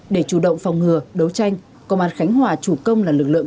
để chủ động phòng ngừa đấu tranh công an khánh hòa chủ công là lực lượng